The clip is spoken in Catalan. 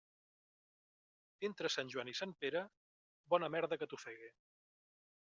Entre Sant Joan i Sant Pere, bona merda que t'ofegue.